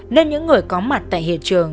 nên những người có mặt tại hiện trường